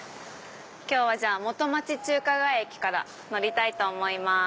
今日は元町・中華街駅から乗りたいと思います。